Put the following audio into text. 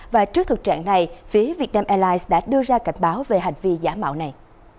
và trước thực trạng này phía vietnam airlines đã đưa ra cảnh báo về hành vi giả mạo này